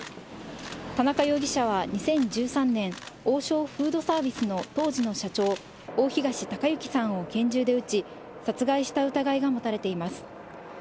田中容疑者は２０１３年、王将フードサービスの当時の社長、大東隆行さんを拳銃で撃ち、殺害した疑いが持たれています。